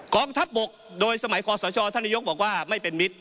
กองทัพบกโดยสมัยคอสชท่านนายกบอกว่าไม่เป็นมิตร